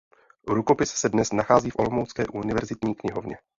Rukopis se dnes nachází v olomoucké univerzitní knihovně.